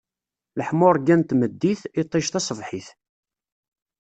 Leḥmuṛegga n tmeddit, iṭij taṣebḥit.